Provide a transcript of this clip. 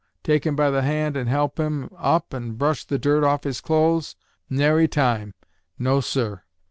Take him by the hand and help him up and brush the dirt off his clothes? Nary time! No, sur!